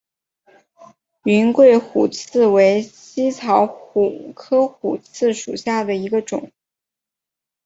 云桂虎刺为茜草科虎刺属下的一个种。